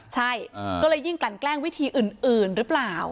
ใช่ก็เลยยิ่งกลั่นแกล้งวิธีอื่นหรือเปล่า